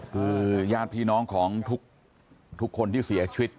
คือญาติพี่น้องของทุกคนที่เสียชีวิต